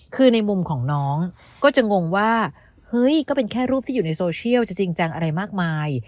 คือในมุมของน้องก็จะงงว่าเฮ้ยก็เป็นแค่รูปที่อยู่ในโซเชียลจะจริงจังอะไรมากมาย